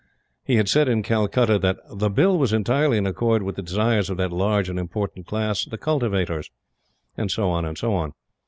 He had said in Calcutta that "the Bill was entirely in accord with the desires of that large and important class, the cultivators;" and so on, and so on.